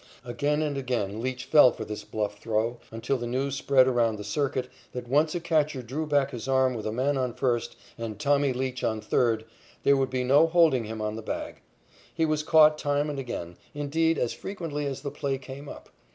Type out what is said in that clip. Again and again Leach fell for this bluff throw, until the news spread around the circuit that once a catcher drew back his arm with a man on first base and "Tommy" Leach on third, there would be no holding him on the bag. He was caught time and again indeed as frequently as the play came up.